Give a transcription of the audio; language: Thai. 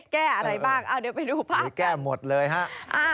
กล้วยกันดูค่ะ